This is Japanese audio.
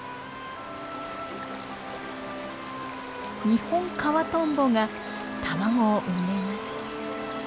ニホンカワトンボが卵を産んでいます。